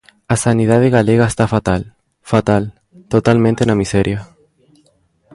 A sanidade galega está fatal, fatal, totalmente na miseria.